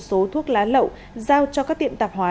số thuốc lá lậu giao cho các tiệm tạp hóa